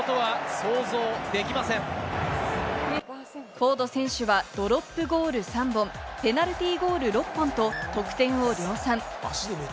フォード選手はドロップゴール３本、ペナルティーゴール６本と得点を量産。